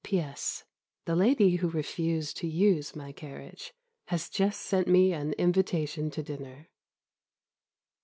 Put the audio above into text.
P.S. The lady who refused to use my carriage has just sent me an invitation to dinner!